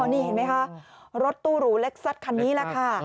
นี่เห็นไหมคะรถตู้หรูเล็กซัดคันนี้แหละค่ะ